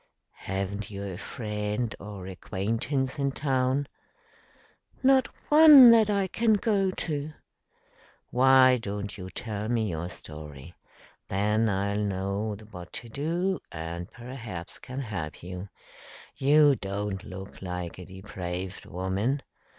"Haven't you a friend or acquaintance in town?" "Not one that I can go to!" "Why don't you tell me your story? Then I'll know what to do, and perhaps can help you. You don't look like a depraved woman."